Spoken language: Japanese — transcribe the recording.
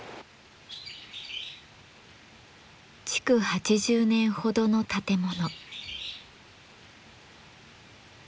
築８０年ほどの建物。